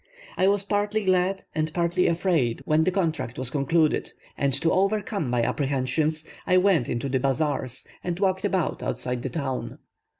I was partly glad and partly afraid when the contract was concluded, and to overcome my apprehensions, I went into the Bazaars, and walked about outside the town.